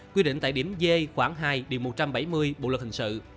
quy định tại điểm d khoảng hai điều một trăm bảy mươi bộ luật hình sự